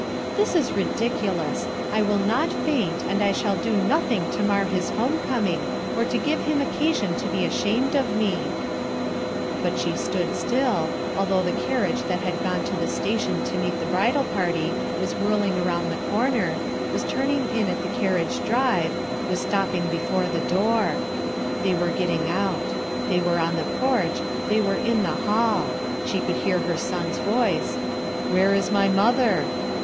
"This is ridiculous I I will not faint, and I shall do SENTIMENT AND SACRIFICE 123 nothing to mar his home coming, or to give him occasion to be ashamed of me/' But she stood still, although the carriage that had gone to the station to meet the bridal party was whirling around the corner, was turning In at the carriage drive, was stopping before tho door. They were getting out. They were on the porch, they were in the hall; she could hear her son's voice: — "Where is my mother?"